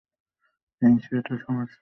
এইস, এতে কোনো সমস্যা নেই।